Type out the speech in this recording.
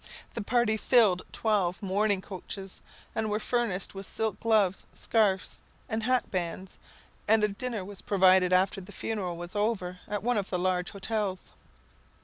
The party filled twelve mourning coaches, and were furnished with silk gloves, scarfs, and hatbands, and a dinner was provided after the funeral was over at one of the large hotels.